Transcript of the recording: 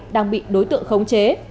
đang bị đối tượng khống chế